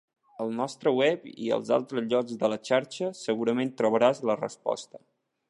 Al nostre web i en altres llocs de la xarxa segurament trobaràs la resposta.